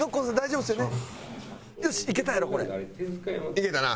いけたな。